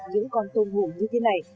những con tôm hùm như thế này